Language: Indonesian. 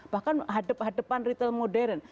bahkan hadapan hadapan retail modern